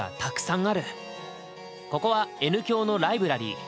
ここはＮ響の「ライブラリー」。